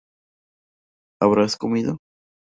¿Habrás comido?